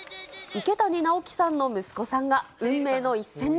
池谷直樹さんの息子さんが、運命の一戦に。